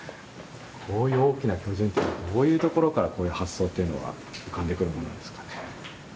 こういう大きな巨人っていうのはどういうところからこういう発想というのは浮かんでくるものなんですかね？